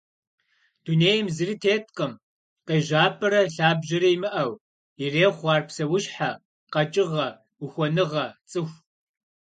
Дунейм зыри теткъым къежьапӏэрэ лъабжьэрэ имыӏэу, ирехъу ар псэущхьэ, къэкӏыгъэ, ухуэныгъэ, цӏыху.